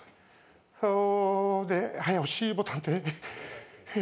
早押しボタンで。